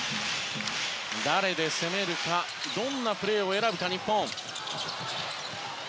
誰で攻めるかどんなプレーを選ぶか。